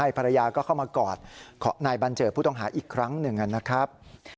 ภรรยาก็เข้ามากอดนายบัญเจิดผู้ต้องหาอีกครั้งหนึ่งนะครับ